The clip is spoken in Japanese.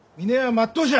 まっとうじゃ！